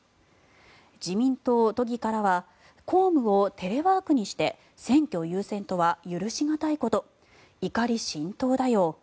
自民党都議からは公務をテレワークにして選挙優先とは許し難いこと怒り心頭だよ。